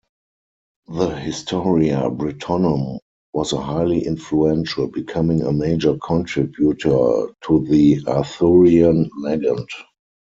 The "Historia Brittonum" was highly influential, becoming a major contributor to the Arthurian legend.